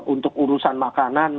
untuk urusan makanan